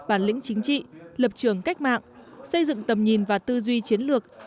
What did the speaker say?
bản lĩnh chính trị lập trường cách mạng xây dựng tầm nhìn và tư duy chiến lược